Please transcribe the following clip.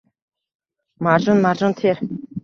Marjon-marjon ter…